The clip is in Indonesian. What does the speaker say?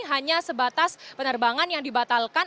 hanya sebatas penerbangan yang dibatalkan